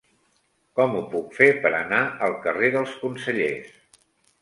Com ho puc fer per anar al carrer dels Consellers?